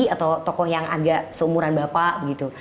atau tokoh yang agak seumuran bapak gitu